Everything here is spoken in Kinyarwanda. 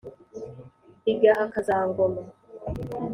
igahaka za ngoma .